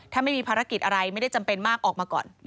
ถ้าไม่มีภารกิจอะไรไม่ได้จำเป็นมากออกมาก่อน